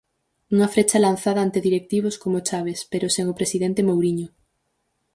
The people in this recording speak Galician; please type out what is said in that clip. Unha frecha lanzada ante directivos como Chaves, pero sen o presidente Mouriño.